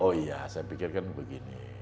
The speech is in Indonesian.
oh iya saya pikirkan begini